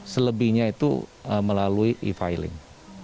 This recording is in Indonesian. selebihnya itu melalui e filing